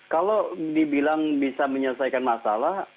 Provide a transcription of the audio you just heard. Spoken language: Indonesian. kalau dibilang bisa menyelesaikan masalah